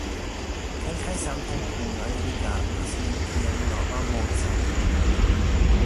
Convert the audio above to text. Kelkaj samtempuloj rigardis lin kiel nova Mozart.